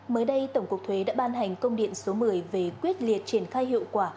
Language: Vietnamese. mới đây tổng cục thuế đã ban hành công điện số một mươi về quyết liệt triển khai hiệu quả